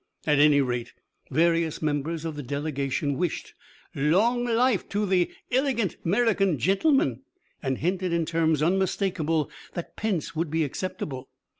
At any rate, various members of the delegation wished "long life to the iligant 'merican gintleman," and hinted in terms unmistakable that pence would be acceptable.